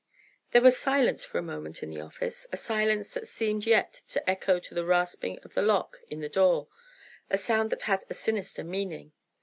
There was silence for a moment in the office, a silence that seemed yet to echo to the rasping of the lock in the door, a sound that had a sinister meaning.